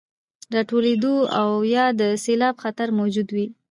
راټولېدو او يا د سيلاب خطر موجود وي،